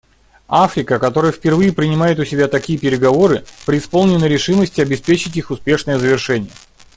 Африка, которая впервые принимает у себя такие переговоры, преисполнена решимости обеспечить их успешное завершение.